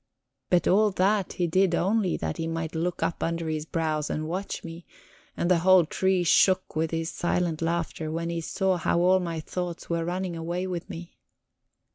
But all that he did only that he might look up under his brows and watch me; and the whole tree shook with his silent laughter when he saw how all my thoughts were running away with me.